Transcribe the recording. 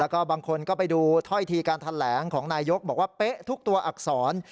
แล้วก็บางคนก็ไปดูถ้อยทีการแถลงของนายยกบอกว่าเป๊ะทุกตัวอักษร